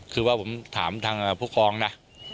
คือว่าผมถามทางผู้ครองนะ